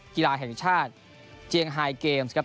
กีฬาแห่งชาติเจียงไฮเกมส์ครับ